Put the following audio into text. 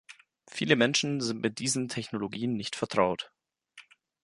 Viele Menschen sind mit diesen Technologien nicht vertraut.